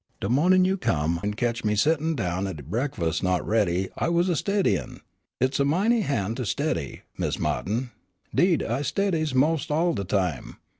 De mo'nin' you come an' ketch me settin' down an' de brekfus not ready, I was a steadyin'. I's a mighty han' to steady, Mis' Ma'tin. 'Deed I steadies mos' all de time.